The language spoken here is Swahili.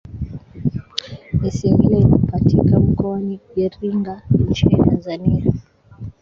isimila inapatika mkoani iringa nchini tanzania